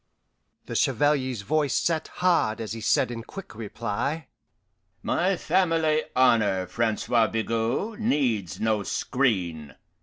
The Chevalier's voice set hard as he said in quick reply, "My family honour, Francois Bigot, needs no screen.